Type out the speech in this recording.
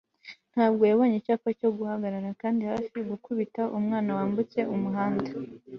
Ntabwo yabonye icyapa cyo guhagarara kandi hafi gukubita umwana wambutse umuhanda